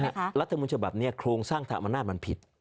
คืออย่างนี้ฮะรัฐธรรมนูญฉบับนี้โครงสร้างอำนาจมันผิด